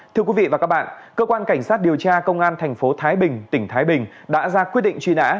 thưa quý vị và các bạn cơ quan cảnh sát điều tra công an thành phố thái bình tỉnh thái bình đã ra quyết định truy nã